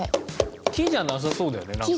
木じゃなさそうだよねなんか。